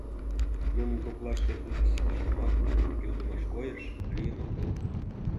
Нунын коклаште уто-сите шомак, кӱлдымаш койыш лийын огыл.